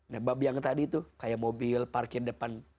nah babi yang tadi tuh kayak mobil parkir depan